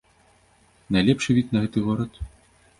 Найлепшы від на гэты горад?